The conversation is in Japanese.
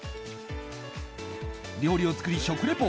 料理を作り、食リポ。